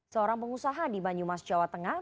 seorang pengusaha di banyumas jawa tengah